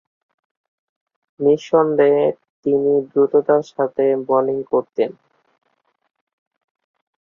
নিঃসন্দেহে তিনি দ্রুততার সাথে বোলিং করতেন।